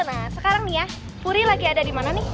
nah sekarang nih ya puri lagi ada dimana nih